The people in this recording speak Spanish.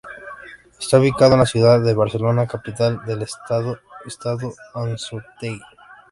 Está ubicado en la ciudad de Barcelona, capital del estado Estado Anzoátegui.